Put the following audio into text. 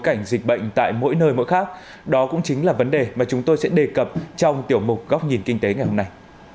cảnh dịch bệnh tại mỗi nơi mỗi khác đó cũng chính là vấn đề mà chúng tôi sẽ đề cập trong tiểu mục góc nhìn kinh tế ngày hôm nay